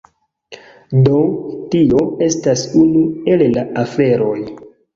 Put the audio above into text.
Do tio estas unu el la aferoj.